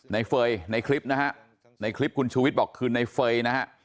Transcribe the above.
เฟย์ในคลิปนะฮะในคลิปคุณชูวิทย์บอกคือในเฟย์นะฮะ